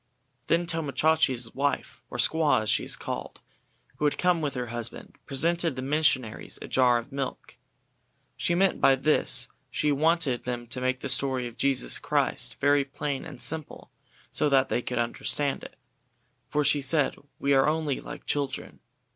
Then Tomo Chachi's wife, or squaw as she is called, who had come with her husband, presented the missionaries with a jar of milk. She meant by this that she wanted them to make the story of Jesus Christ very plain and simple so that they could understand it, for she said "we are only like children."